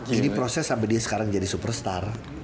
jadi proses sampe dia sekarang jadi superstar